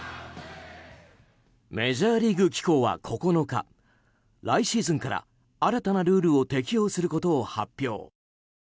メジャーリーグ機構は９日来シーズンから新たなルールを適用することを発表。